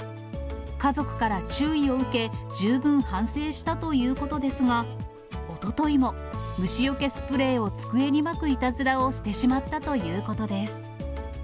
家族から注意を受け、十分反省したということですが、おとといも、虫よけスプレーを机にまくいたずらをしてしまったということです。